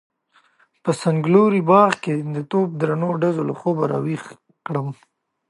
په څنګلوري باغ کې د توپ درنو ډزو له خوبه راويښ کړم.